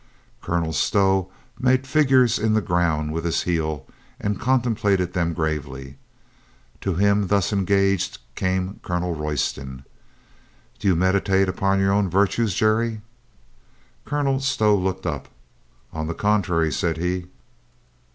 Colonel Stow made figures in the ground with his heel and contemplated them gravely. To him thus engaged came Colonel Royston. "Do you meditate upon your own virtues, Jerry?" Colonel Stow looked up. "On the contrary," said he.